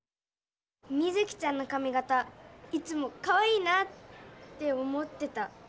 ミズキちゃんのかみ形いつもかわいいなって思ってた。